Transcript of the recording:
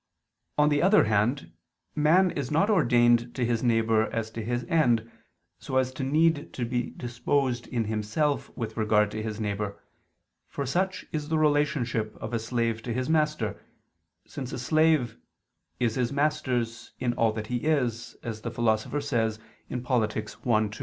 On the other hand, man is not ordained to his neighbor as to his end, so as to need to be disposed in himself with regard to his neighbor, for such is the relationship of a slave to his master, since a slave "is his master's in all that he is," as the Philosopher says (Polit. i, 2).